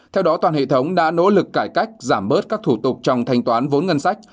theo đó toàn hệ thống đã nỗ lực cải cách giảm bớt các thủ tục trong thanh toán vốn ngân sách